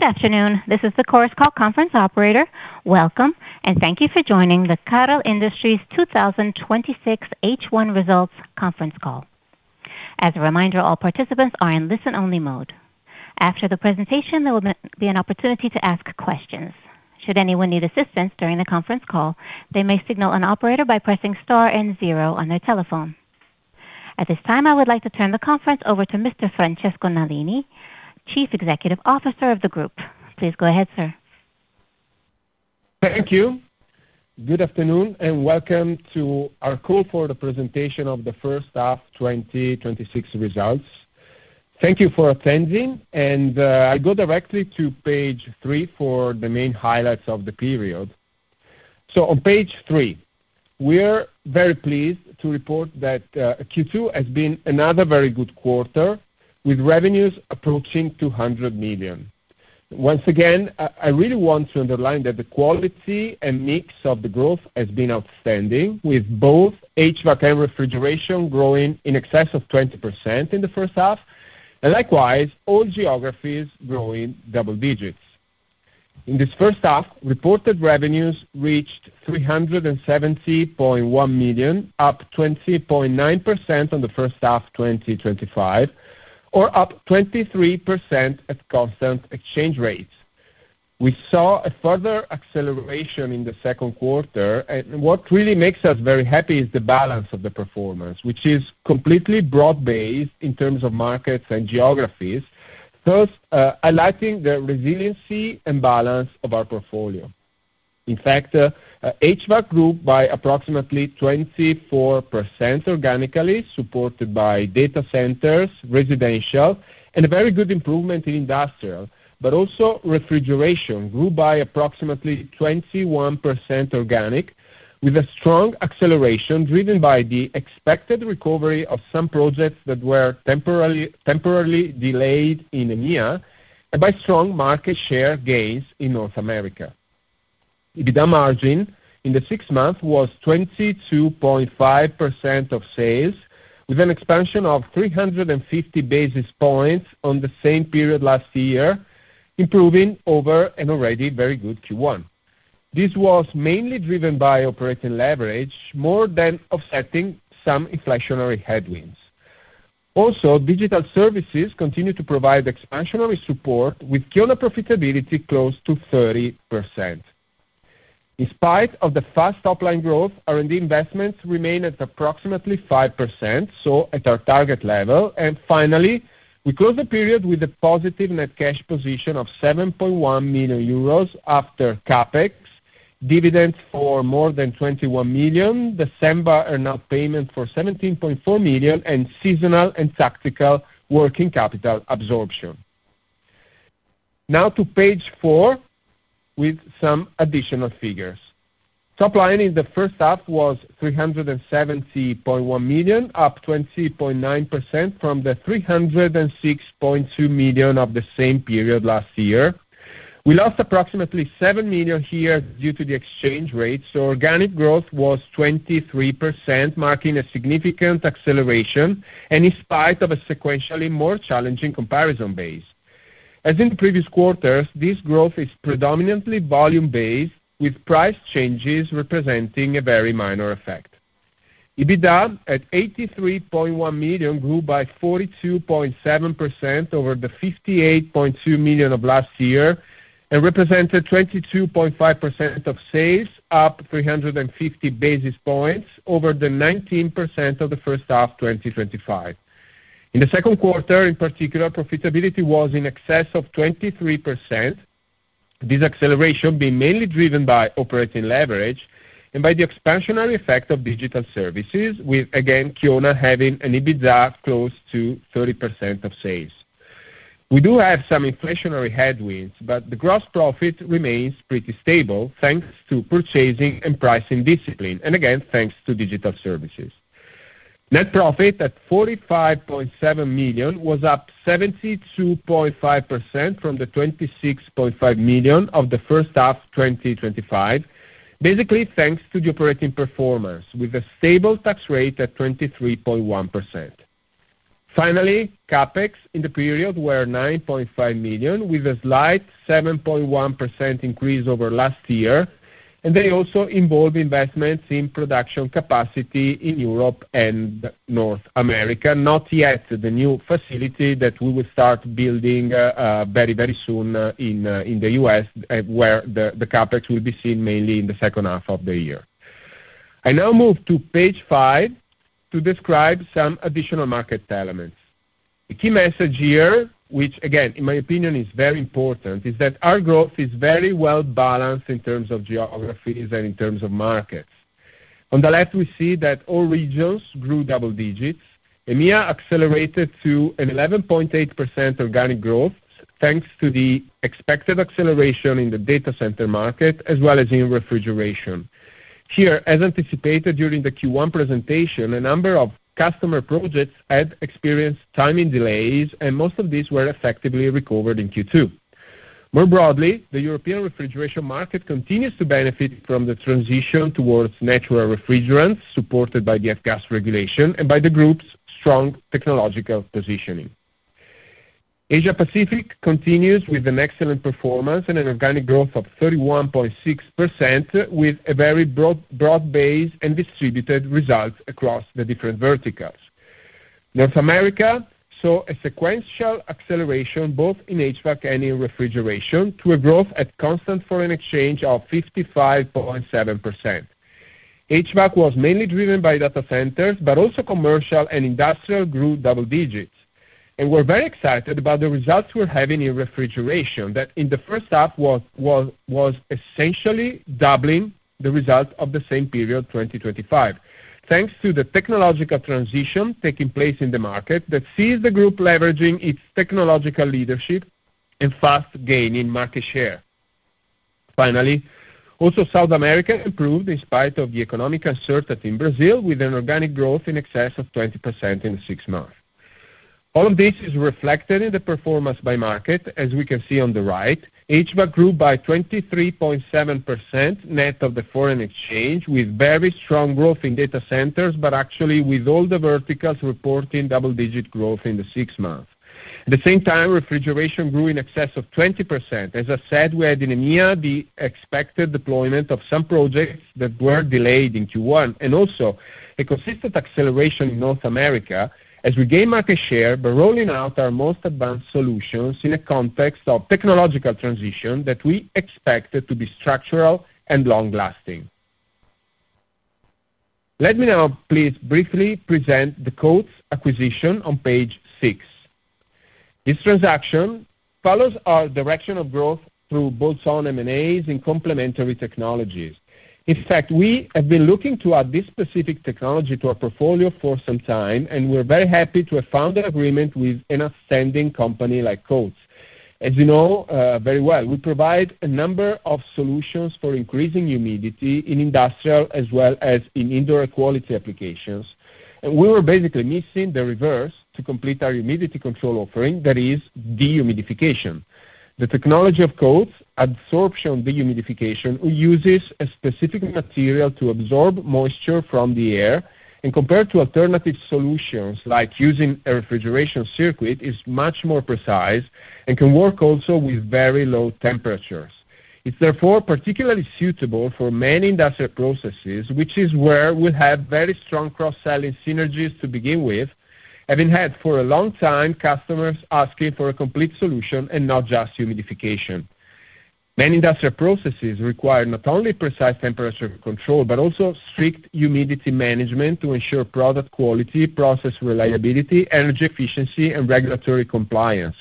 Good afternoon. This is the Chorus Call conference operator. Welcome, and thank you for joining the Carel Industries 2026 H1 results conference call. As a reminder, all participants are in listen-only mode. After the presentation, there will be an opportunity to ask questions. Should anyone need assistance during the conference call, they may signal an operator by pressing star and zero on their telephone. At this time, I would like to turn the conference over to Mr. Francesco Nalini, Chief Executive Officer of the group. Please go ahead, sir. Thank you. Good afternoon, and welcome to our call for the presentation of the first half 2026 results. Thank you for attending, and I go directly to page three for the main highlights of the period. On page three, we are very pleased to report that Q2 has been another very good quarter, with revenues approaching 200 million. Once again, I really want to underline that the quality and mix of the growth has been outstanding, with both HVAC and refrigeration growing in excess of 20% in the first half, and likewise, all geographies growing double digits. In this first half, reported revenues reached 370.1 million, up 20.9% on the first half 2025, or up 23% at constant exchange rates. We saw a further acceleration in the second quarter, and what really makes us very happy is the balance of the performance, which is completely broad-based in terms of markets and geographies, thus highlighting the resiliency and balance of our portfolio. In fact, HVAC grew by approximately 24% organically, supported by data centers, residential, and a very good improvement in industrial. Also refrigeration grew by approximately 21% organic, with a strong acceleration driven by the expected recovery of some projects that were temporarily delayed in EMEA and by strong market share gains in North America. EBITDA margin in the six months was 22.5% of sales, with an expansion of 350 basis points on the same period last year, improving over an already very good Q1. This was mainly driven by operating leverage, more than offsetting some inflationary headwinds. Also, digital services continue to provide expansionary support with Kiona profitability close to 30%. In spite of the fast top-line growth, R&D investments remain at approximately 5%, at our target level. Finally, we close the period with a positive net cash position of 7.1 million euros after CapEx, dividends for more than 21 million, December earn-out payment for 17.4 million, seasonal and tactical working capital absorption. To page four, with some additional figures. Top line in the first half was 370.1 million, up 20.9% from the 306.2 million of the same period last year. We lost approximately 7 million here due to the exchange rate, so organic growth was 23%, marking a significant acceleration in spite of a sequentially more challenging comparison base. As in previous quarters, this growth is predominantly volume-based, with price changes representing a very minor effect. EBITDA at 83.1 million grew by 42.7% over the 58.2 million of last year and represented 22.5% of sales, up 350 basis points over the 19% of the first half 2025. In the second quarter, in particular, profitability was in excess of 23%, this acceleration being mainly driven by operating leverage and by the expansionary effect of digital services, with again, Kiona having an EBITDA close to 30% of sales. We do have some inflationary headwinds, but the gross profit remains pretty stable, thanks to purchasing and pricing discipline, and again, thanks to digital services. Net profit at 45.7 million was up 72.5% from the 26.5 million of the first half 2025, basically thanks to the operating performance, with a stable tax rate at 23.1%. Finally, CapEx in the period were 9.5 million, with a slight 7.1% increase over last year, and they also involve investments in production capacity in Europe and North America, not yet the new facility that we will start building very, very soon in the U.S., where the CapEx will be seen mainly in the second half of the year. I now move to page five to describe some additional market elements. The key message here, which again, in my opinion is very important, is that our growth is very well balanced in terms of geographies and in terms of markets. On the left, we see that all regions grew double digits. EMEA accelerated to an 11.8% organic growth, thanks to the expected acceleration in the data center market as well as in refrigeration. Here, as anticipated during the Q1 presentation, a number of customer projects had experienced timing delays. Most of these were effectively recovered in Q2. More broadly, the European refrigeration market continues to benefit from the transition towards natural refrigerants, supported by the F-gas regulation and by the group's strong technological positioning. Asia-Pacific continues with an excellent performance and an organic growth of 31.6% with a very broad base and distributed results across the different verticals. North America saw a sequential acceleration both in HVAC and in refrigeration to a growth at constant foreign exchange of 55.7%. HVAC was mainly driven by data centers. Also commercial and industrial grew double digits. We're very excited about the results we're having in refrigeration, that in the first half was essentially doubling the results of the same period 2025. Thanks to the technological transition taking place in the market that sees the group leveraging its technological leadership and fast gaining market share. Finally, also South America improved in spite of the economic uncertainty in Brazil, with an organic growth in excess of 20% in six months. All of this is reflected in the performance by market, as we can see on the right. HVAC grew by 23.7% net of the foreign exchange, with very strong growth in data centers. Actually with all the verticals reporting double-digit growth in the six months. At the same time, refrigeration grew in excess of 20%. As I said, we had in EMEA the expected deployment of some projects that were delayed in Q1, and also a consistent acceleration in North America as we gain market share by rolling out our most advanced solutions in a context of technological transition that we expect to be structural and long-lasting. Let me now please briefly present the Cotes acquisition on page six. This transaction follows our direction of growth through bolt-on M&As and complementary technologies. In fact, we have been looking to add this specific technology to our portfolio for some time, and we're very happy to have found an agreement with an outstanding company like Cotes. As you know very well, we provide a number of solutions for increasing humidity in industrial as well as in indoor quality applications. We were basically missing the reverse to complete our humidity control offering, that is dehumidification. The technology of Cotes, absorption dehumidification, uses a specific material to absorb moisture from the air. Compared to alternative solutions like using a refrigeration circuit, it's much more precise and can work also with very low temperatures. It's therefore particularly suitable for many industrial processes, which is where we'll have very strong cross-selling synergies to begin with, having had for a long time customers asking for a complete solution and not just humidification. Many industrial processes require not only precise temperature control, but also strict humidity management to ensure product quality, process reliability, energy efficiency, and regulatory compliance.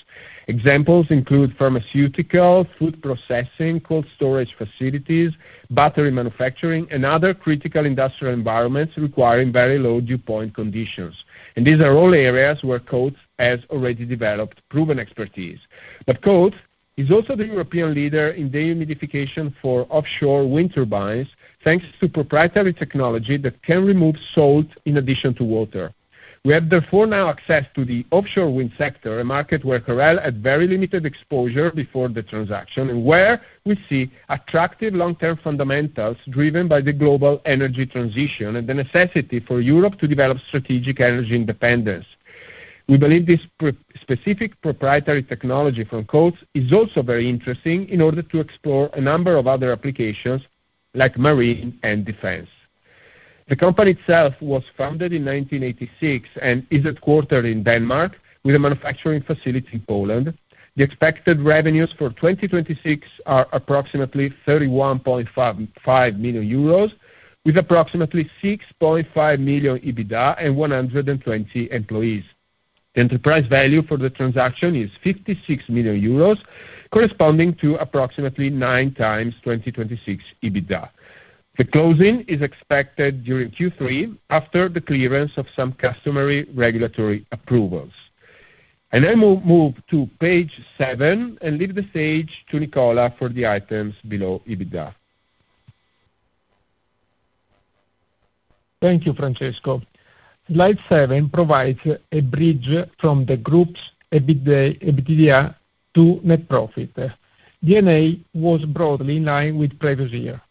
Examples include pharmaceutical, food processing, cold storage facilities, battery manufacturing, and other critical industrial environments requiring very low dew point conditions. These are all areas where Cotes has already developed proven expertise. Cotes is also the European leader in dehumidification for offshore wind turbines, thanks to proprietary technology that can remove salt in addition to water. We have therefore now access to the offshore wind sector, a market where Carel had very limited exposure before the transaction, and where we see attractive long-term fundamentals driven by the global energy transition and the necessity for Europe to develop strategic energy independence. We believe this specific proprietary technology from Cotes is also very interesting in order to explore a number of other applications like marine and defense. The company itself was founded in 1986 and is headquartered in Denmark with a manufacturing facility in Poland. The expected revenues for 2026 are approximately 31.5 million euros, with approximately 6.5 million EBITDA and 120 employees. The enterprise value for the transaction is 56 million euros, corresponding to approximately 9x 2026 EBITDA. The closing is expected during Q3 after the clearance of some customary regulatory approvals. I move to page seven and leave the stage to Nicola for the items below EBITDA. Thank you, Francesco. Slide seven provides a bridge from the group's EBITDA to net profit. D&A was broadly in line with previous year.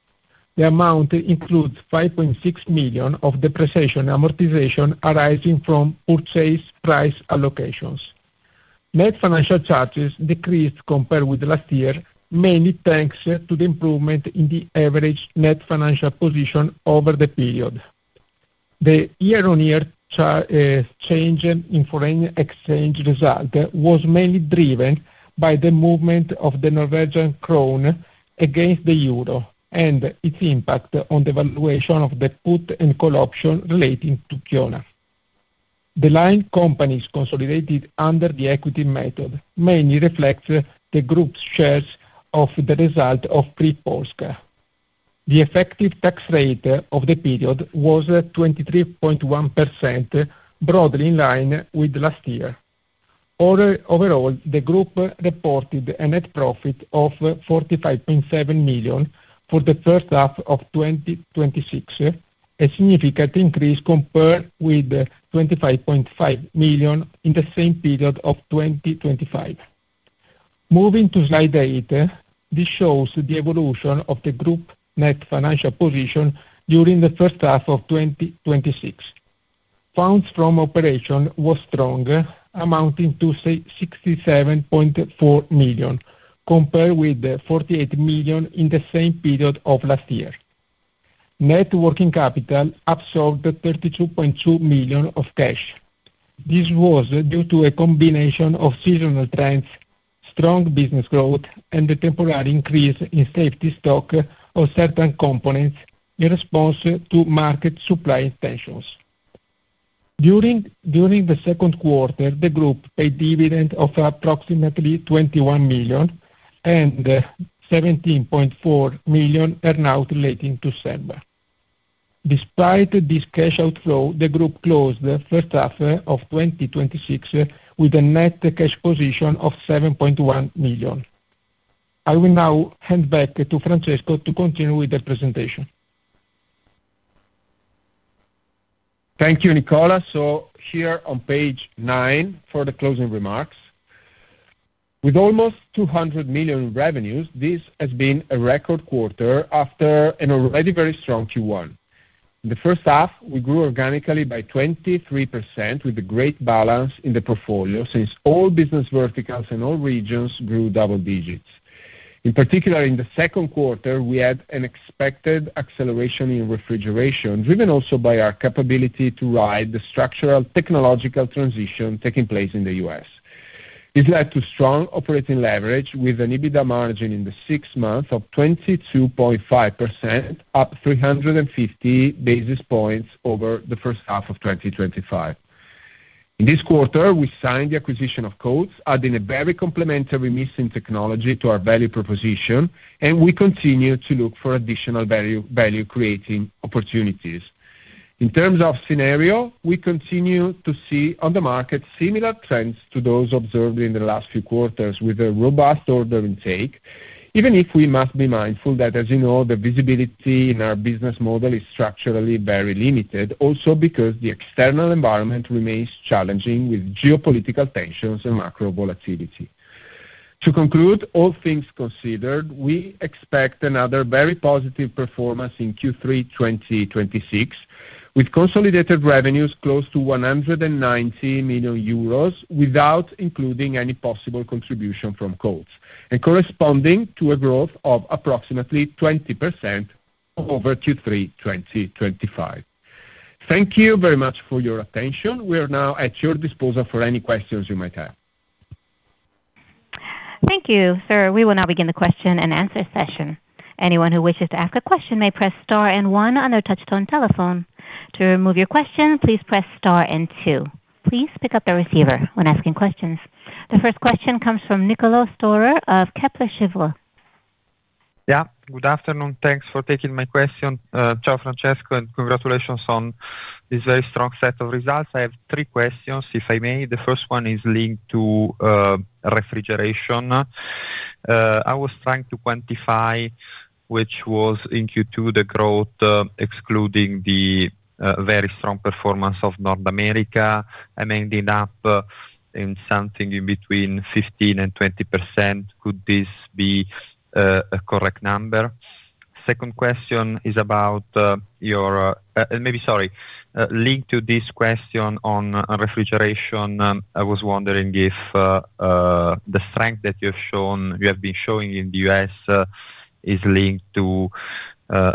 The amount includes 5.6 million of depreciation amortization arising from purchase price allocations. Net financial charges decreased compared with last year, mainly thanks to the improvement in the average net financial position over the period. The year-on-year change in foreign exchange result was mainly driven by the movement of the Norwegian krone against the euro and its impact on the valuation of the put and call option relating to Kiona. The line companies consolidated under the equity method mainly reflects the group's shares of the result of Free Polska. The effective tax rate of the period was 23.1%, broadly in line with last year. Overall, the group reported a net profit of 45.7 million for the first half of 2026, a significant increase compared with 25.5 million in the same period of 2025. Moving to slide eight, this shows the evolution of the group net financial position during the first half of 2026. Funds from operation was strong, amounting to 67.4 million, compared with 48 million in the same period of last year. Net working capital absorbed 32.2 million of cash. This was due to a combination of seasonal trends, strong business growth, and the temporary increase in safety stock of certain components in response to market supply tensions. During the second quarter, the group paid dividend of approximately 21 million and 17.4 million earn-out late in December. Despite this cash outflow, the group closed the first half of 2026 with a net cash position of 7.1 million. I will now hand back to Francesco to continue with the presentation. Thank you, Nicola. Here on page nine for the closing remarks. With almost 200 million in revenues, this has been a record quarter after an already very strong Q1. In the first half, we grew organically by 23% with a great balance in the portfolio since all business verticals in all regions grew double digits. In particular, in the second quarter, we had an expected acceleration in refrigeration, driven also by our capability to ride the structural technological transition taking place in the U.S. It led to strong operating leverage with an EBITDA margin in the six months of 22.5%, up 350 basis points over the first half of 2025. In this quarter, we signed the acquisition of Cotes, adding a very complementary missing technology to our value proposition, and we continue to look for additional value-creating opportunities. In terms of scenario, we continue to see on the market similar trends to those observed in the last few quarters with a robust order intake. Even if we must be mindful that as you know, the visibility in our business model is structurally very limited also because the external environment remains challenging with geopolitical tensions and macro volatility. To conclude, all things considered, we expect another very positive performance in Q3 2026, with consolidated revenues close to 190 million euros without including any possible contribution from Cotes, and corresponding to a growth of approximately 20% over Q3 2025. Thank you very much for your attention. We are now at your disposal for any questions you might have. Thank you, sir. We will now begin the question-and-answer session. Anyone who wishes to ask a question may press star and one on their touch-tone telephone. To remove your question, please press star and two. Please pick up the receiver when asking questions. The first question comes from Niccolò​ Storer of Kepler Cheuvreux. Good afternoon. Thanks for taking my question. Ciao, Francesco, and congratulations on this very strong set of results. I have three questions, if I may. The first one is linked to refrigeration. I was trying to quantify which was in Q2, the growth, excluding the very strong performance of North America. I'm ending up in something in between 15% and 20%. Could this be a correct number? Linked to this question on refrigeration, I was wondering if the strength that you have been showing in the U.S. is linked to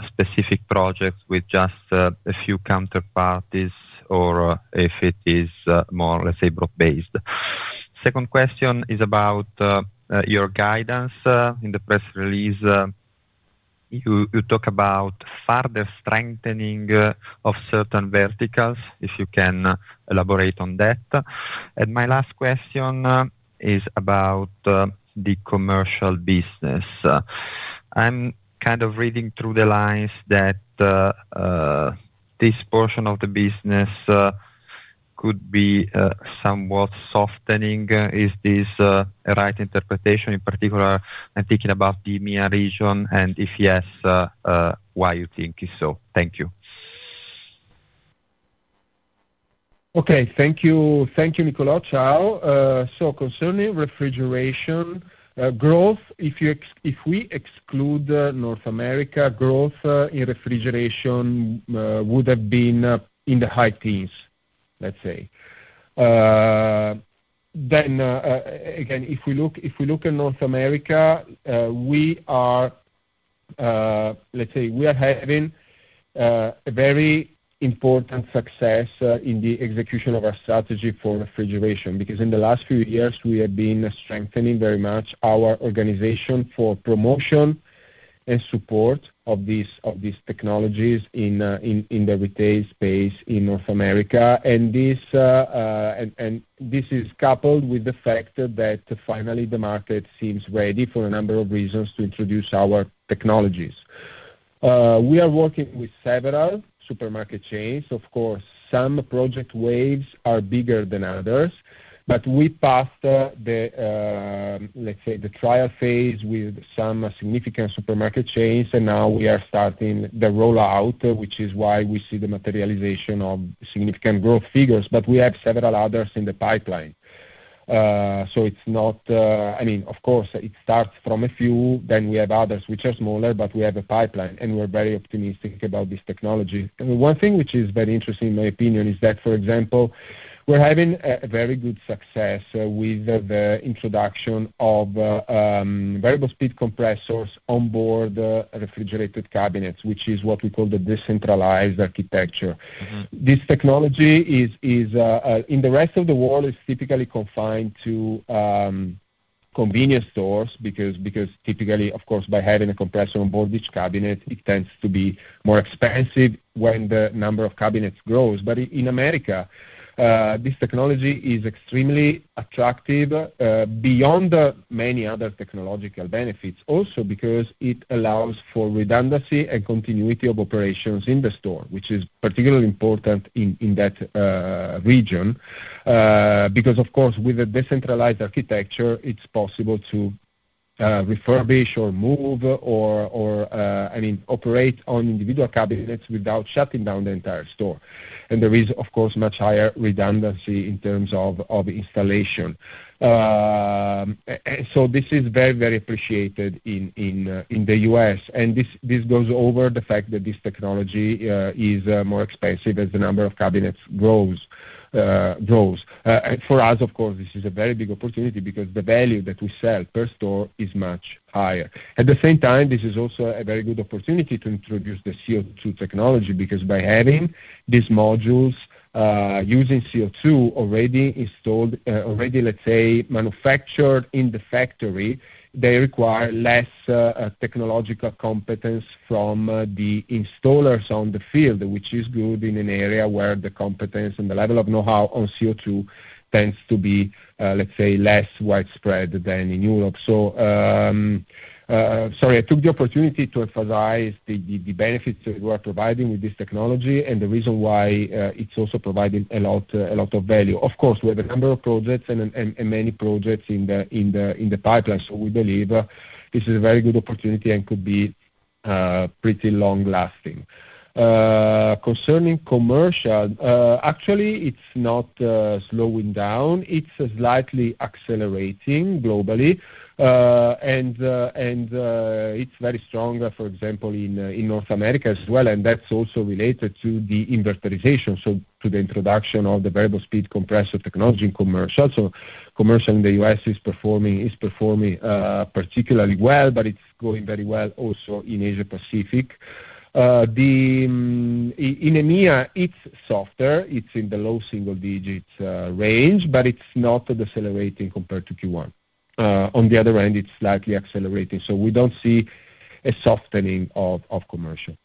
specific projects with just a few counterparties or if it is more, let's say, broad-based. Second question is about your guidance. In the press release, you talk about further strengthening of certain verticals, if you can elaborate on that. My last question is about the commercial business. I'm kind of reading through the lines that this portion of the business could be somewhat softening. Is this a right interpretation? In particular, I'm thinking about the EMEA region. If yes, why you think is so? Thank you. Thank you, Niccolò. Ciao. Concerning refrigeration growth, if we exclude North America, growth in refrigeration would have been in the high teens, let's say. Again, if we look in North America, let's say we are having a very important success in the execution of our strategy for refrigeration, because in the last few years, we have been strengthening very much our organization for promotion and support of these technologies in the retail space in North America. This is coupled with the fact that finally the market seems ready for a number of reasons to introduce our technologies. We are working with several supermarket chains. Of course, some project waves are bigger than others, but we passed the, let's say, the trial phase with some significant supermarket chains, and now we are starting the rollout, which is why we see the materialization of significant growth figures. We have several others in the pipeline. Of course, it starts from a few, then we have others which are smaller, but we have a pipeline, and we're very optimistic about this technology. One thing which is very interesting, in my opinion, is that, for example, we're having very good success with the introduction of variable speed compressors on board refrigerated cabinets, which is what we call the decentralized architecture. This technology, in the rest of the world, is typically confined to convenience stores because typically, of course, by having a compressor on board each cabinet, it tends to be more expensive when the number of cabinets grows. In America, this technology is extremely attractive beyond the many other technological benefits, also because it allows for redundancy and continuity of operations in the store, which is particularly important in that region. Of course, with a decentralized architecture, it's possible to refurbish or move or operate on individual cabinets without shutting down the entire store. There is, of course, much higher redundancy in terms of installation. This is very, very appreciated in the U.S. This goes over the fact that this technology is more expensive as the number of cabinets grows. For us, of course, this is a very big opportunity because the value that we sell per store is much higher. At the same time, this is also a very good opportunity to introduce the CO2 technology, because by having these modules using CO2 already installed, already let's say, manufactured in the factory, they require less technological competence from the installers on the field, which is good in an area where the competence and the level of know-how on CO2 tends to be, let's say, less widespread than in Europe. I took the opportunity to emphasize the benefits that we are providing with this technology and the reason why it's also providing a lot of value. Of course, we have a number of projects, and many projects in the pipeline, so we believe this is a very good opportunity and could be pretty long-lasting. Concerning commercial, actually it's not slowing down. It's slightly accelerating globally. It's very strong, for example, in North America as well, and that's also related to the inverterization. To the introduction of the variable speed compressor technology in commercial. Commercial in the U.S. is performing particularly well, but it's going very well also in Asia-Pacific. In EMEA, it's softer. It's in the low single-digit range, but it's not decelerating compared to Q1. On the other end, it's slightly accelerating, so we don't see a softening of commercial.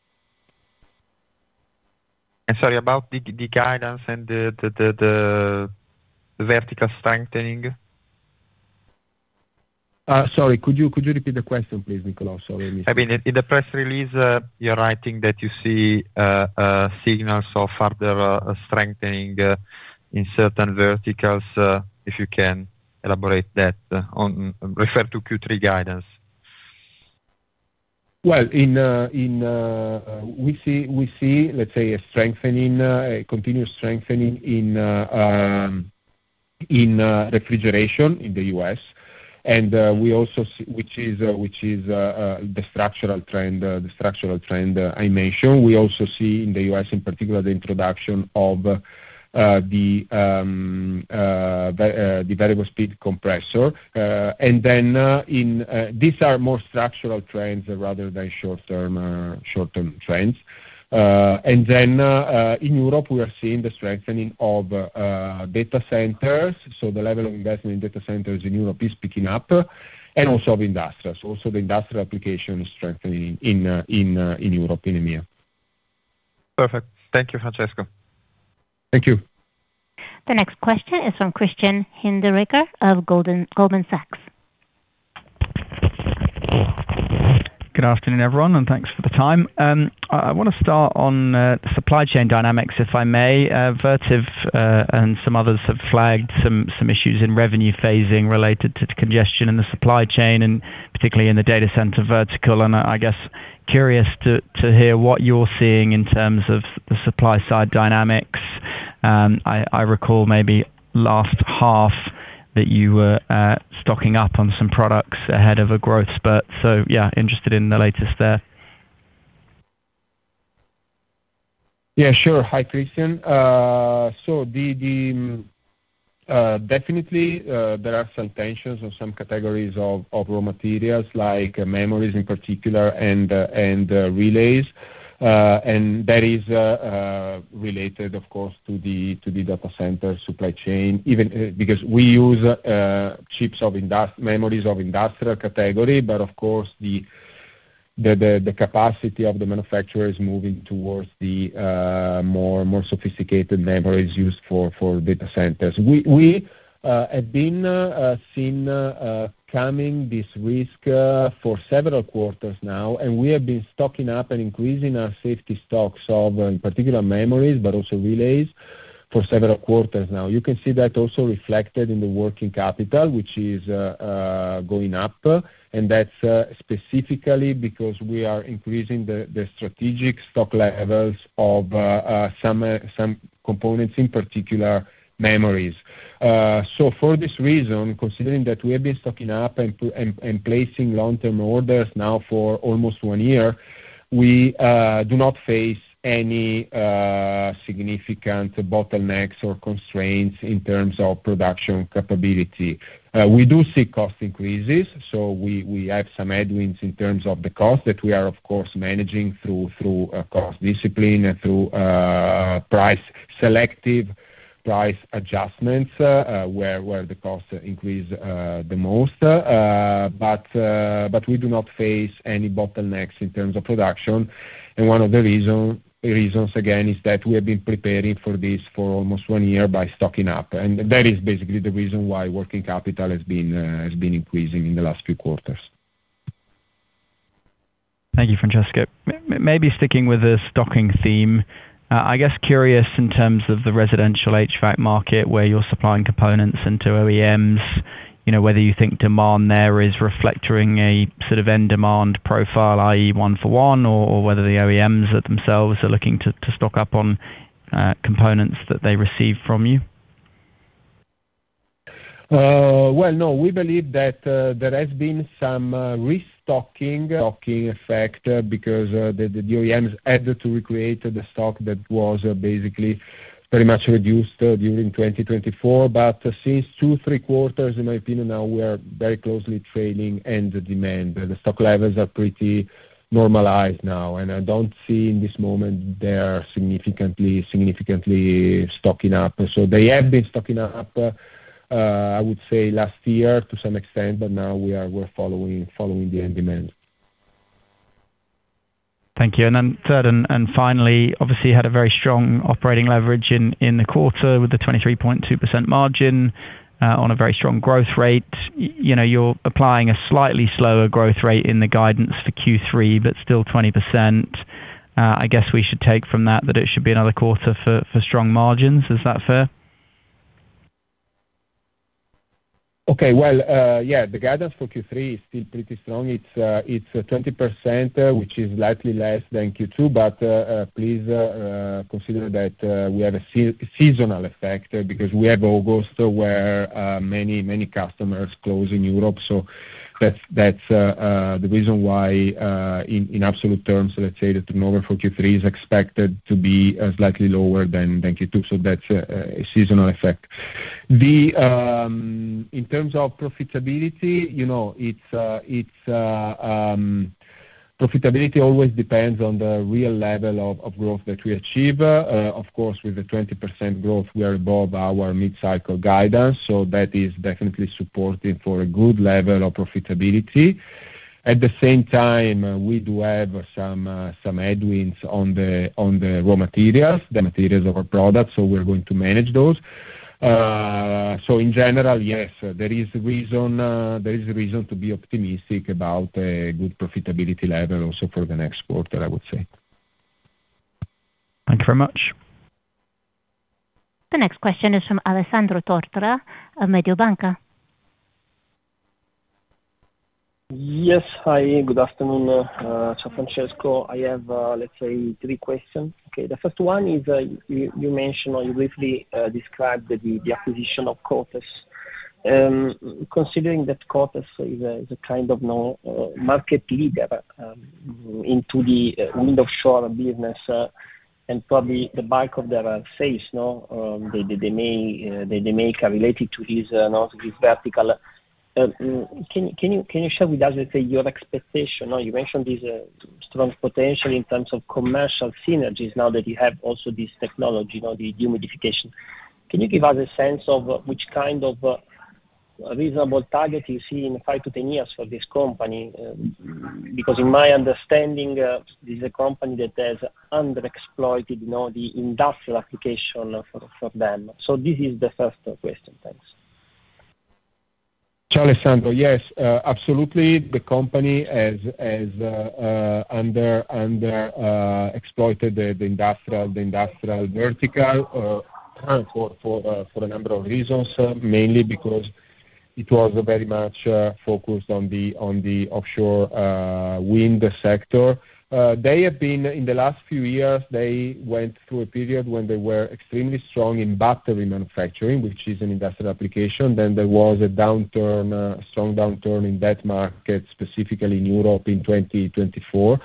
Sorry, about the guidance and the vertical strengthening. Sorry, could you repeat the question, please, Niccolò? Sorry, I missed that. In the press release, you're writing that you see signals of further strengthening in certain verticals. If you can elaborate that on, refer to Q3 guidance. Well, we see, let's say, a continuous strengthening in refrigeration in the U.S., which is the structural trend I mentioned. We also see in the U.S., in particular, the introduction of the variable speed compressor. These are more structural trends rather than short-term trends. In Europe, we are seeing the strengthening of data centers. The level of investment in data centers in Europe is picking up. Of industrials. The industrial application is strengthening in Europe, in EMEA. Perfect. Thank you, Francesco. Thank you. The next question is from Christian Hinderaker of Goldman Sachs. Good afternoon, everyone, and thanks for the time. I want to start on the supply chain dynamics, if I may. Vertiv, and some others have flagged some issues in revenue phasing related to congestion in the supply chain, and particularly in the data center vertical. I guess, curious to hear what you're seeing in terms of the supply side dynamics. I recall maybe last half that you were stocking up on some products ahead of a growth spurt. Yeah, interested in the latest there. Yeah, sure. Hi, Christian. Definitely, there are some tensions on some categories of raw materials like memories in particular and relays. That is related, of course, to the data center supply chain, because we use memories of industrial category, but of course, the capacity of the manufacturer is moving towards the more sophisticated memories used for data centers. We have been seeing coming this risk for several quarters now, and we have been stocking up and increasing our safety stocks of, in particular, memories, but also relays. For several quarters now. You can see that also reflected in the working capital, which is going up. That's specifically because we are increasing the strategic stock levels of some components, in particular, memories. For this reason, considering that we have been stocking up and placing long-term orders now for almost one year, we do not face any significant bottlenecks or constraints in terms of production capability. We do see cost increases, so we have some headwinds in terms of the cost that we are, of course, managing through cost discipline and through price, selective price adjustments, where the costs increase the most. We do not face any bottlenecks in terms of production. One of the reasons, again, is that we have been preparing for this for almost one year by stocking up. That is basically the reason why working capital has been increasing in the last few quarters. Thank you, Francesco. Maybe sticking with the stocking theme, I guess curious in terms of the residential HVAC market where you're supplying components into OEMs, whether you think demand there is reflecting a sort of end demand profile, i.e., one for one, or whether the OEMs themselves are looking to stock up on components that they receive from you. Well, no. We believe that there has been some restocking effect because the OEMs had to recreate the stock that was basically very much reduced during 2024. Since two, three quarters, in my opinion now, we are very closely trailing end demand. The stock levels are pretty normalized now, and I don't see in this moment they are significantly stocking up. They have been stocking up, I would say last year to some extent, but now we're following the end demand. Thank you. Third and finally, obviously had a very strong operating leverage in the quarter with the 23.2% margin on a very strong growth rate. You're applying a slightly slower growth rate in the guidance for Q3, but still 20%. I guess we should take from that it should be another quarter for strong margins. Is that fair? Okay. Well, yeah. The guidance for Q3 is still pretty strong. It's 20%, which is slightly less than Q2, but please consider that we have a seasonal effect because we have August where many customers close in Europe. That's the reason why, in absolute terms, let's say the turnover for Q3 is expected to be slightly lower than Q2. That's a seasonal effect. In terms of profitability, profitability always depends on the real level of growth that we achieve. Of course, with the 20% growth, we are above our mid-cycle guidance, that is definitely supportive for a good level of profitability. At the same time, we do have some headwinds on the raw materials, the materials of our product, so we're going to manage those. In general, yes, there is reason to be optimistic about a good profitability level also for the next quarter, I would say. Thank you very much. The next question is from Alessandro Tortora of Mediobanca. Yes. Hi, good afternoon. Ciao, Francesco. I have, let's say, three questions. Okay, the first one is, you mentioned or you briefly described the acquisition of Cotes. Considering that Cotes is a kind of market leader into the wind offshore business, and probably the bulk of the sales they make are related to this vertical. Can you share with us, let's say, your expectation? You mentioned this strong potential in terms of commercial synergies now that you have also this technology, the dehumidification. Can you give us a sense of which kind of reasonable target you see in 5-10 years for this company? Because in my understanding, this is a company that has underexploited the industrial application for them. This is the first question. Thanks. Ciao, Alessandro. Yes, absolutely. The company has underexploited the industrial vertical for a number of reasons, mainly because it was very much focused on the offshore wind sector. In the last few years, they went through a period when they were extremely strong in battery manufacturing, which is an industrial application. There was a strong downturn in that market, specifically in Europe in 2024.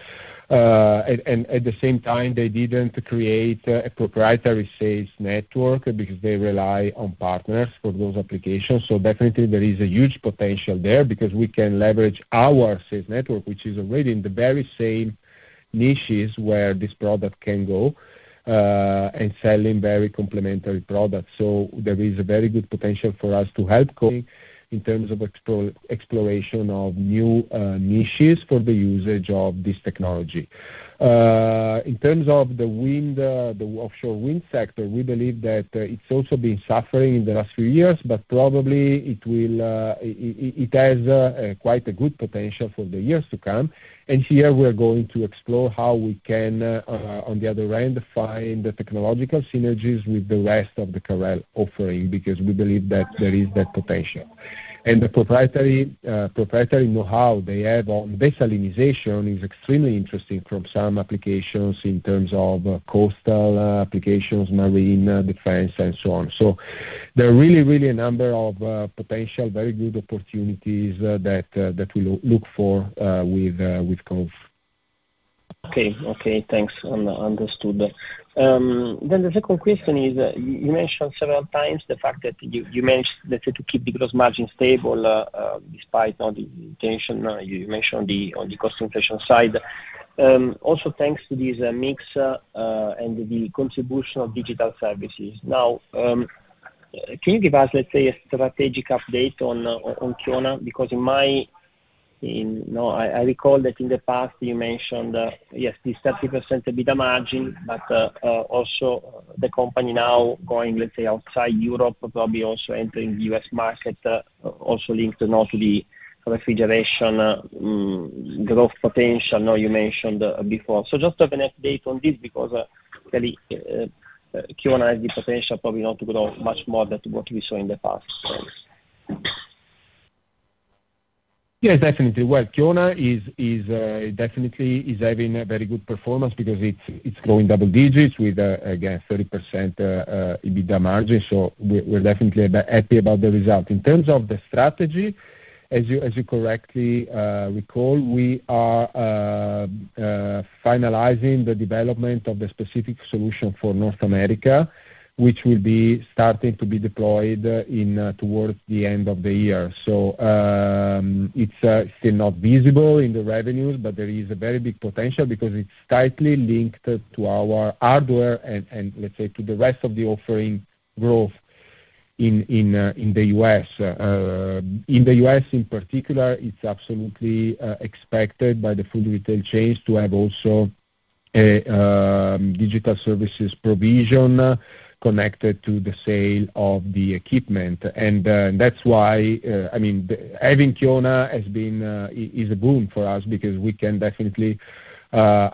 At the same time, they didn't create a proprietary sales network because they rely on partners for those applications. Definitely there is a huge potential there because we can leverage our sales network, which is already in the very same niches where this product can go, and selling very complementary products. There is a very good potential for us to help Cotes in terms of exploration of new niches for the usage of this technology. In terms of the offshore wind sector, we believe that it's also been suffering in the last few years, but probably it has quite a good potential for the years to come. Here we are going to explore how we can, on the other hand, find the technological synergies with the rest of the Carel offering, because we believe that there is that potential. The proprietary know-how they have on desalinization is extremely interesting from some applications in terms of coastal applications, marine defense, and so on. There are really a number of potential very good opportunities that we look for with Cotes. Okay. Thanks. Understood. The second question is, you mentioned several times the fact that to keep the gross margin stable, despite all the inflation you mentioned on the cost inflation side, also thanks to this mix and the contribution of digital services. Can you give us, let's say, a strategic update on Kiona? I recall that in the past you mentioned, yes, this 30% EBITDA margin, but also the company now going, let's say, outside Europe, probably also entering the U.S. market, also linked now to the refrigeration growth potential, you mentioned before. Just to have an update on this, because really, Kiona has the potential probably now to grow much more than what we saw in the past. Thanks. Yeah, definitely. Kiona is definitely having a very good performance because it's growing double digits with, again, 30% EBITDA margin. We're definitely happy about the result. In terms of the strategy, as you correctly recall, we are finalizing the development of the specific solution for North America, which will be starting to be deployed towards the end of the year. It's still not visible in the revenues, but there is a very big potential because it's tightly linked to our hardware and, let's say, to the rest of the offering growth in the U.S. In the U.S. in particular, it's absolutely expected by the food retail chains to have also a digital services provision connected to the sale of the equipment. That's why, having Kiona is a boon for us, because we can definitely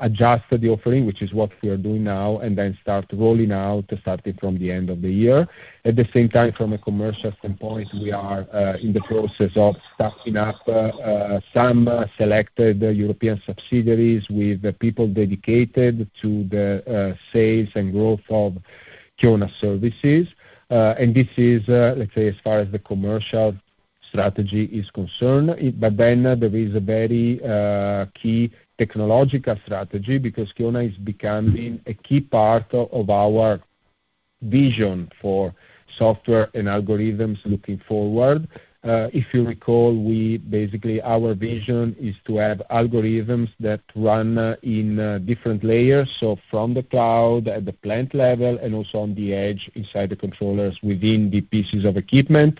adjust the offering, which is what we are doing now, and then start rolling out starting from the end of the year. At the same time, from a commercial standpoint, we are in the process of staffing up some selected European subsidiaries with people dedicated to the sales and growth of Kiona services. This is, let's say, as far as the commercial strategy is concerned. There is a very key technological strategy because Kiona is becoming a key part of our vision for software and algorithms looking forward. If you recall, basically, our vision is to have algorithms that run in different layers. From the cloud, at the plant level, and also on the edge inside the controllers within the pieces of equipment,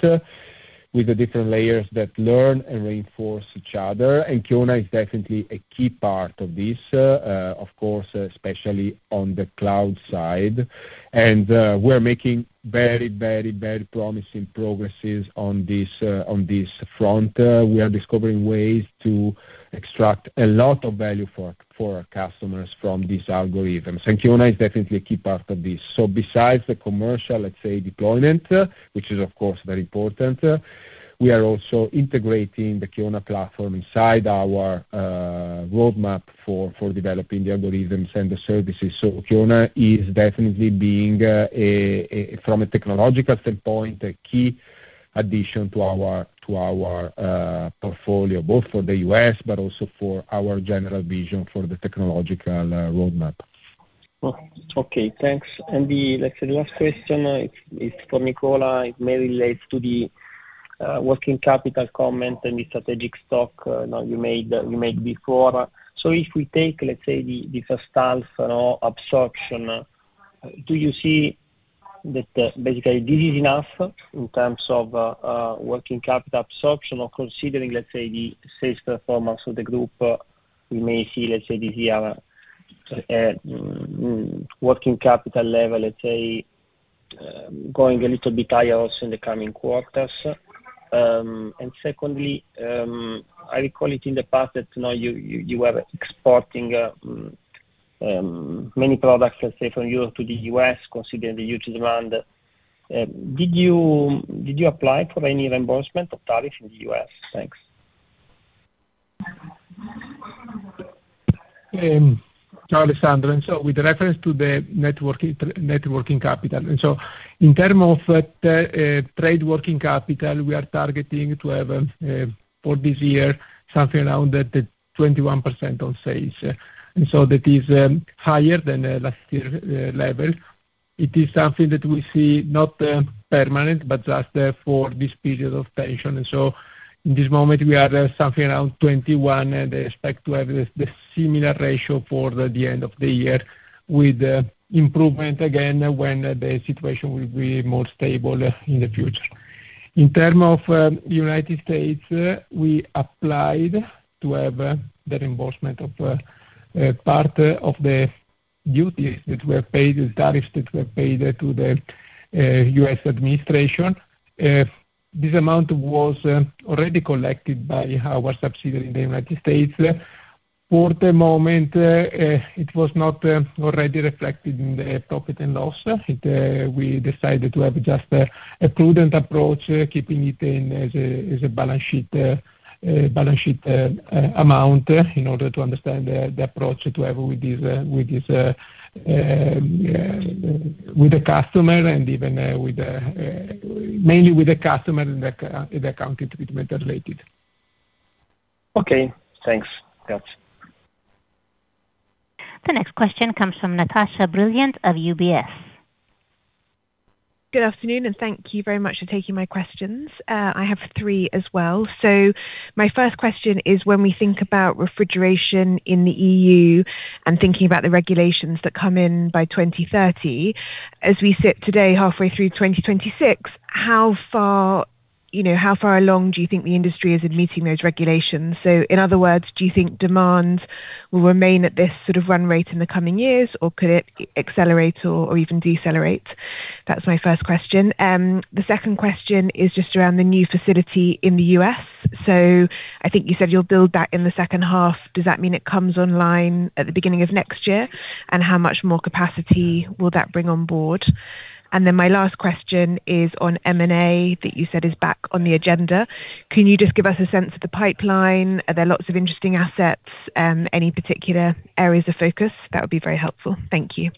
with the different layers that learn and reinforce each other. Kiona is definitely a key part of this, of course, especially on the cloud side. We're making very, very promising progresses on this front. We are discovering ways to extract a lot of value for our customers from these algorithms. Kiona is definitely a key part of this. Besides the commercial, let's say, deployment, which is of course, very important, we are also integrating the Kiona platform inside our roadmap for developing the algorithms and the services. Kiona is definitely being, from a technological standpoint, a key addition to our portfolio, both for the U.S. but also for our general vision for the technological roadmap. Okay. Thanks. The, let's say, the last question is for Nicola. It may relate to the working capital comment and the strategic stock you made before. If we take, let's say, the first half absorption, do you see that basically this is enough in terms of working capital absorption? Or considering, let's say, the sales performance of the group, we may see, let's say, this year, working capital level going a little bit higher also in the coming quarters? Secondly, I recall it in the past that now you are exporting many products, let's say, from Europe to the U.S. considering the huge demand. Did you apply for any reimbursement of tariff in the U.S.? Thanks. Hi, Alessandro. With reference to the net working capital. In term of trade working capital, we are targeting to have, for this year, something around the 21% on sales. That is higher than last year level. It is something that we see not permanent, but just for this period of tension. In this moment, we are something around 21%, and expect to have the similar ratio for the end of the year with improvement again when the situation will be more stable in the future. In term of United States, we applied to have the reimbursement of part of the duties that were paid, the tariffs that were paid to the U.S. administration. This amount was already collected by our subsidiary in the United States. For the moment, it was not already reflected in the profit and loss. We decided to have just a prudent approach, keeping it in as a balance sheet amount in order to understand the approach to have with the customer, and even mainly with the customer and the account treatment related. Okay, thanks. The next question comes from Natasha Brilliant of UBS. Good afternoon. Thank you very much for taking my questions. I have three as well. My first question is, when we think about refrigeration in the EU and thinking about the regulations that come in by 2030, as we sit today, halfway through 2026, how far along do you think the industry is in meeting those regulations? In other words, do you think demand will remain at this sort of run rate in the coming years, or could it accelerate or even decelerate? That's my first question. The second question is just around the new facility in the U.S. I think you said you'll build that in the second half. Does that mean it comes online at the beginning of next year? How much more capacity will that bring on board? My last question is on M&A that you said is back on the agenda. Can you just give us a sense of the pipeline? Are there lots of interesting assets? Any particular areas of focus? That would be very helpful. Thank you.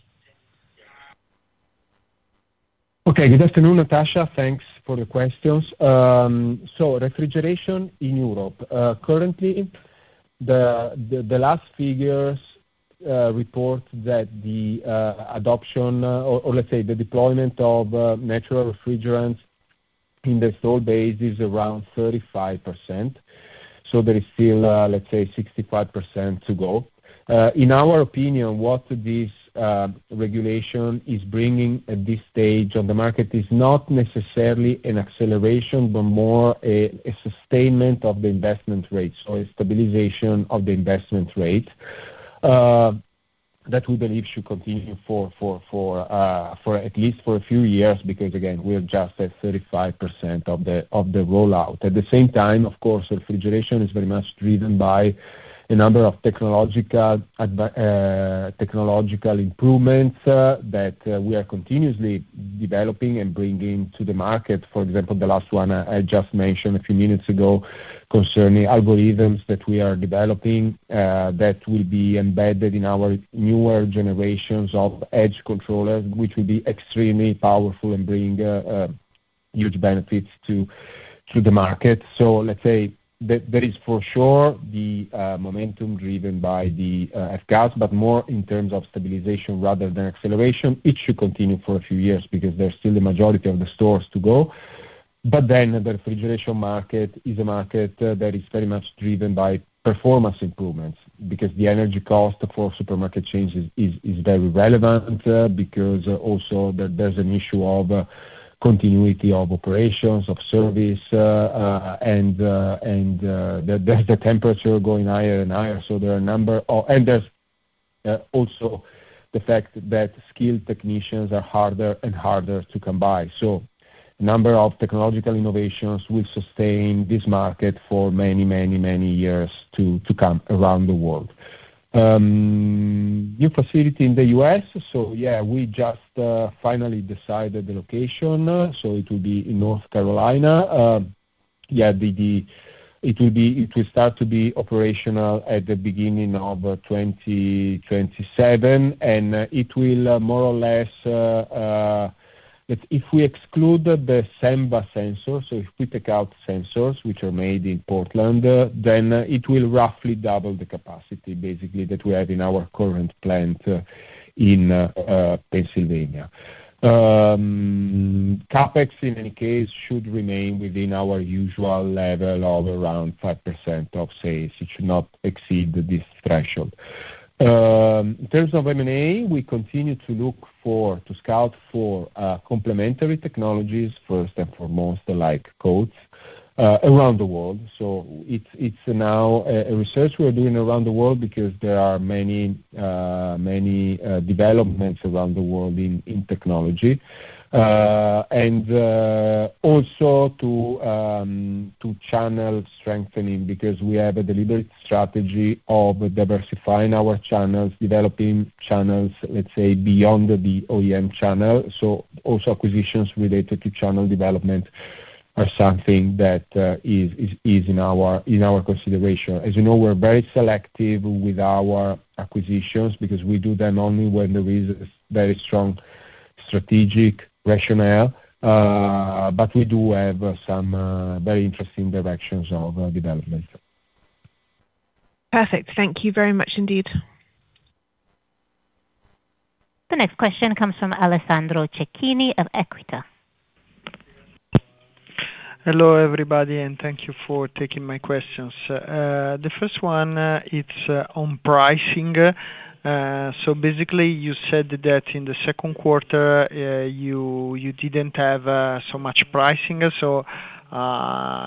Okay. Good afternoon, Natasha. Thanks for the questions. Refrigeration in Europe. Currently, the last figures report that the adoption, or let's say the deployment of natural refrigerants in the store base is around 35%. There is still, let's say, 65% to go. In our opinion, what this regulation is bringing at this stage of the market is not necessarily an acceleration, but more a sustainment of the investment rate. A stabilization of the investment rate that we believe should continue at least for a few years, because again, we're just at 35% of the rollout. At the same time, of course, refrigeration is very much driven by a number of technological improvements that we are continuously developing and bringing to the market. For example, the last one I just mentioned a few minutes ago concerning algorithms that we are developing that will be embedded in our newer generations of edge controllers, which will be extremely powerful and bring huge benefits to the market. Let's say there is for sure the momentum driven by the F-gas, but more in terms of stabilization rather than acceleration. It should continue for a few years because there's still the majority of the stores to go. The refrigeration market is a market that is very much driven by performance improvements because the energy cost for supermarket chains is very relevant, because also there's an issue of continuity of operations, of service, and there's the temperature going higher and higher. There's also the fact that skilled technicians are harder and harder to come by. The number of technological innovations will sustain this market for many, many years to come around the world. New facility in the U.S. Yeah, we just finally decided the location. It will be in North Carolina. It will start to be operational at the beginning of 2027, and it will more or less, if we exclude the Senva sensors, if we take out sensors which are made in Portland, then it will roughly double the capacity basically that we have in our current plant in Pennsylvania. CapEx, in any case, should remain within our usual level of around 5% of sales. It should not exceed this threshold. In terms of M&A, we continue to look to scout for complementary technologies, first and foremost like Cotes, around the world. It's now a research we're doing around the world because there are many developments around the world in technology. Also to channel strengthening, because we have a deliberate strategy of diversifying our channels, developing channels, let's say, beyond the OEM channel. Also acquisitions related to channel development are something that is in our consideration. As you know, we're very selective with our acquisitions because we do them only when there is very strong strategic rationale. We do have some very interesting directions of development. Perfect. Thank you very much indeed. The next question comes from Alessandro Cecchini of EQUITA. Hello, everybody, and thank you for taking my questions. The first one, it's on pricing. Basically you said that in the second quarter, you didn't have so much pricing.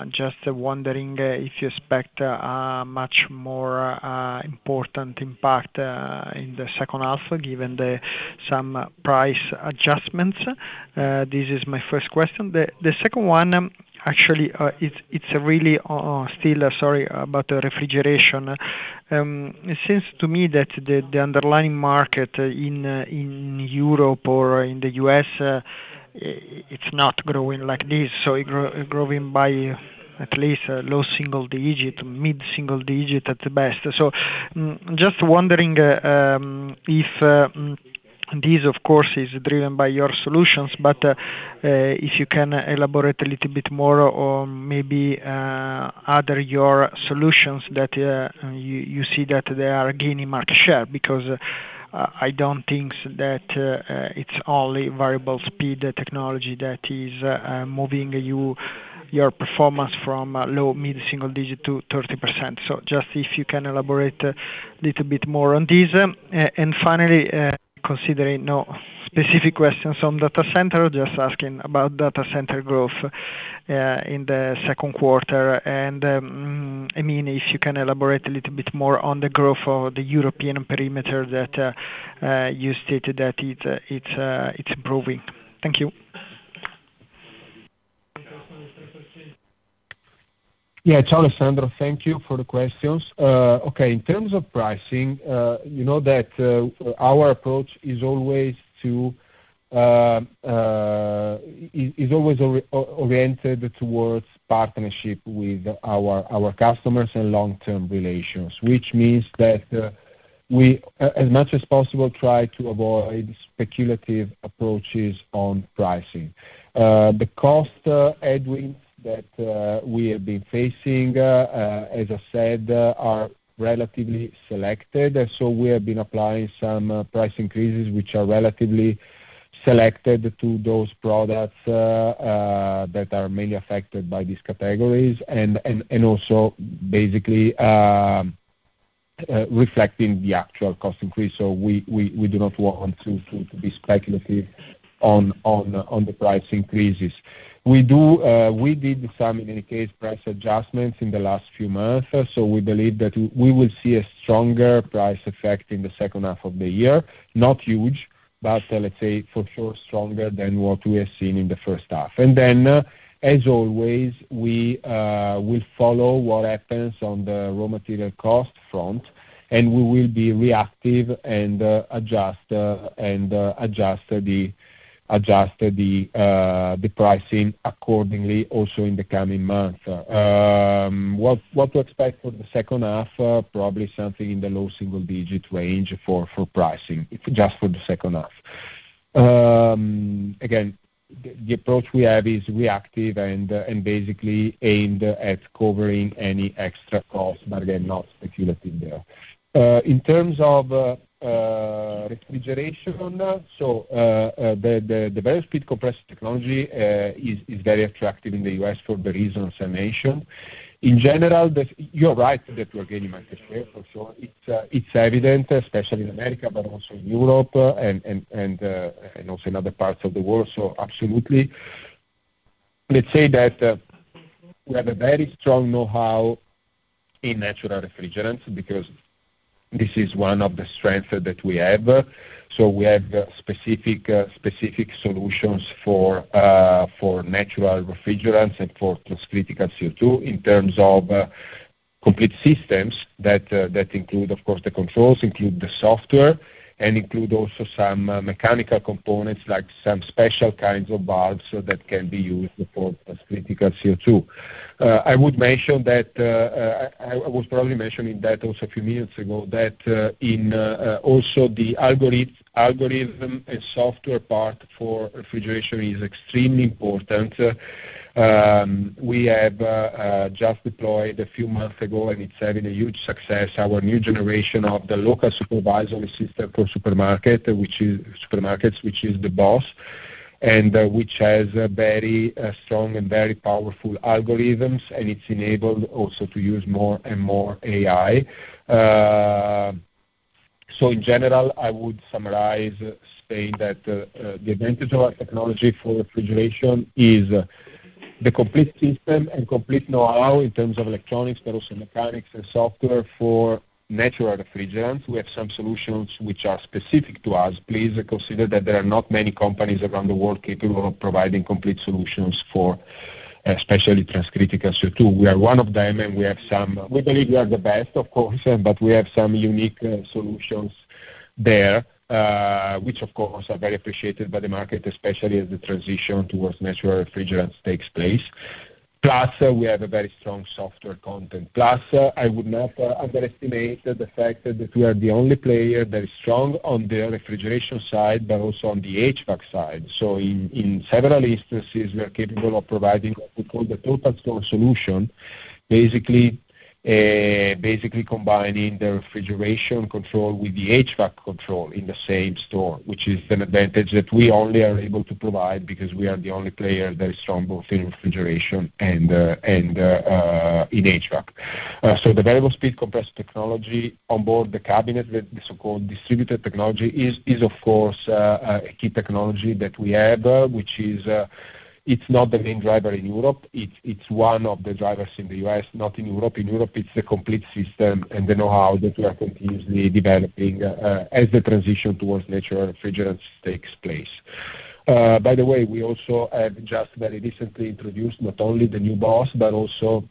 Just wondering if you expect a much more important impact in the second half given some price adjustments. This is my first question. The second one, actually, it's really still, sorry, about refrigeration. It seems to me that the underlying market in Europe or in the U.S., it's not growing like this. It growing by at least a low single-digit, mid-single-digit at the best. Just wondering if, these of course, is driven by your solutions, but, if you can elaborate a little bit more or maybe, other your solutions that you see that they are gaining market share, because I don't think that it's only variable speed technology that is moving your performance from low mid-single-digit to 30%. Just if you can elaborate a little bit more on this. Finally, considering no specific questions on data center, just asking about data center growth, in the second quarter, and, if you can elaborate a little bit more on the growth of the European perimeter that you stated that it's improving. Thank you. Yeah. Alessandro, thank you for the questions. Okay. In terms of pricing, you know that our approach is always oriented towards partnership with our customers and long-term relations, which means that, we, as much as possible, try to avoid speculative approaches on pricing. The cost headwinds that we have been facing, as I said, are relatively selected. We have been applying some price increases, which are relatively selected to those products that are mainly affected by these categories and also basically, reflecting the actual cost increase, we do not want to be speculative on the price increases. We did some, in any case, price adjustments in the last few months, so we believe that we will see a stronger price effect in the second half of the year. Not huge, but let's say for sure stronger than what we have seen in the first half. As always, we will follow what happens on the raw material cost front, and we will be reactive and adjust the pricing accordingly also in the coming months. What to expect for the second half? Probably something in the low single-digit range for pricing. It's just for the second half. Again, the approach we have is reactive and basically aimed at covering any extra costs, but again, not speculative there. In terms of refrigeration. The variable speed compressor technology is very attractive in the U.S. for the reasons I mentioned. In general, you're right that we're gaining market share, for sure. It's evident especially in America, but also in Europe and also in other parts of the world. Absolutely. Let's say that we have a very strong know-how in natural refrigerants because this is one of the strengths that we have. We have specific solutions for natural refrigerants and for transcritical CO2 in terms of complete systems that include, of course, the controls, include the software and include also some mechanical components, like some special kinds of valves that can be used for transcritical CO2. I was probably mentioning that also a few minutes ago, that in also the algorithm and software part for refrigeration is extremely important. We have just deployed a few months ago, and it's having a huge success, our new generation of the local supervisory system for supermarkets, which is the boss and which has very strong and very powerful algorithms, and it's enabled also to use more and more AI. In general, I would summarize saying that the advantage of our technology for refrigeration is the complete system and complete know-how in terms of electronics, but also mechanics and software for natural refrigerants. We have some solutions which are specific to us. Please consider that there are not many companies around the world capable of providing complete solutions for especially transcritical CO2. We are one of them, we believe we are the best, of course, but we have some unique solutions there, which of course, are very appreciated by the market, especially as the transition towards natural refrigerants takes place. Plus we have a very strong software content. Plus I would not underestimate the fact that we are the only player that is strong on the refrigeration side, but also on the HVAC side. In several instances, we are capable of providing what we call the total store solution, basically combining the refrigeration control with the HVAC control in the same store, which is an advantage that we only are able to provide because we are the only player that is strong both in refrigeration and in HVAC. The variable speed compressor technology on board the cabinet with the so-called distributed technology is, of course, a key technology that we have, which is it's not the main driver in Europe. It's one of the drivers in the U.S., not in Europe. In Europe, it's a complete system and the know-how that we are continuously developing, as the transition towards natural refrigerants takes place. By the way, we also have just very recently introduced not only the new boss, but also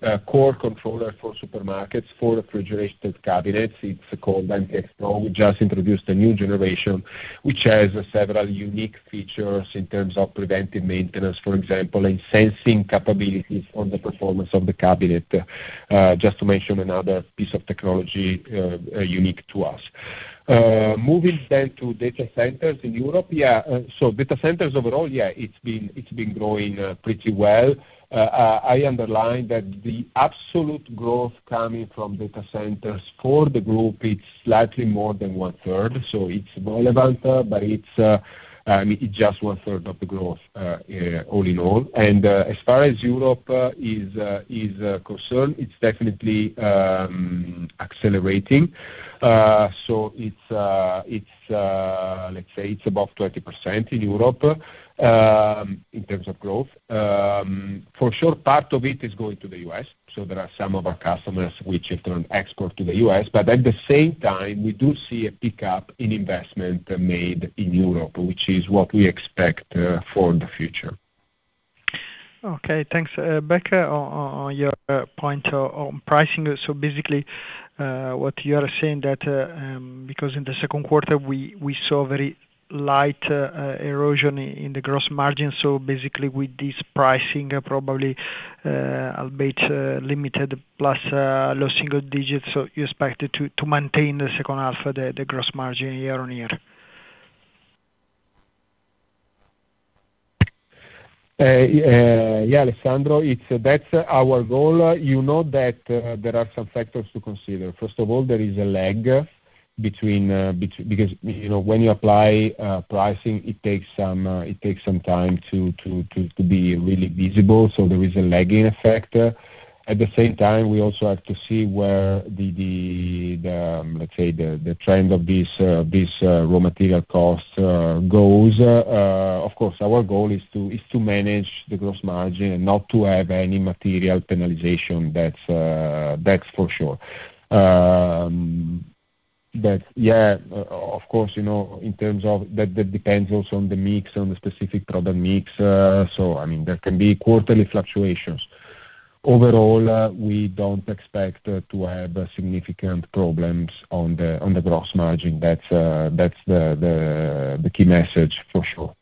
the new core controller for supermarkets for refrigerated cabinets. It's called MPXPRO. We just introduced a new generation, which has several unique features in terms of preventive maintenance, for example, and sensing capabilities on the performance of the cabinet, just to mention another piece of technology unique to us. Moving to data centers in Europe. Data centers overall, it's been growing pretty well. I underlined that the absolute growth coming from data centers for the group, it's slightly more than 1/3, so it's relevant, but it's just 1/3 of the growth all in all. As far as Europe is concerned, it's definitely accelerating. Let's say it's above 20% in Europe in terms of growth. For sure, part of it is going to the U.S., so there are some of our customers which have turned export to the U.S. At the same time, we do see a pickup in investment made in Europe, which is what we expect for the future. Okay, thanks. Back on your point on pricing. Basically, what you are saying that, because in the second quarter we saw very light erosion in the gross margin, basically with this pricing, probably a bit limited plus low single digits. You expect to maintain the second half of the gross margin year-on-year? Yeah, Alessandro, that's our goal. You know that there are some factors to consider. First of all, there is a lag, because when you apply pricing, it takes some time to be really visible. There is a lagging effect. At the same time, we also have to see where the, let's say, the trend of this raw material cost goes. Of course, our goal is to manage the gross margin and not to have any material penalization. That's for sure. Yeah, of course, that depends also on the mix, on the specific product mix. There can be quarterly fluctuations. Overall, we don't expect to have significant problems on the gross margin. That's the key message for sure.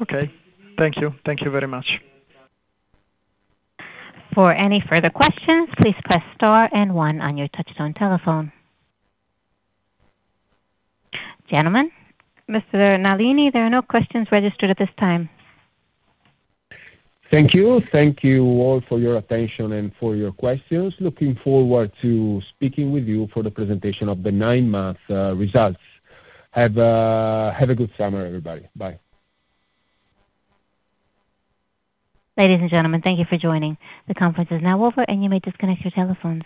Okay. Thank you. Thank you very much. For any further questions, please press star and one on your touchtone telephone. Gentlemen. Mr. Nalini, there are no questions registered at this time. Thank you. Thank you all for your attention and for your questions. Looking forward to speaking with you for the presentation of the nine-month results. Have a good summer, everybody. Bye. Ladies and gentlemen, thank you for joining. The conference is now over, and you may disconnect your telephones.